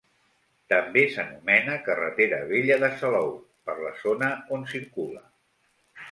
També s'anomena Carretera Vella de Salou per la zona on circula.